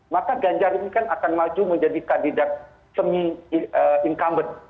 maka ganjar ini kan akan maju menjadi kandidat semi incumbent